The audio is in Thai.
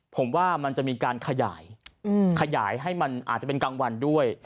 ผมว่ามันจะมีการขยายขยายให้มันอาจจะเป็นกลางวันด้วย